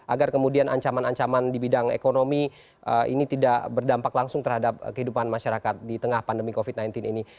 agar kemudian ancaman ancaman di bidang ekonomi ini tidak berdampak langsung terhadap kehidupan masyarakat di tengah pandemi covid sembilan belas ini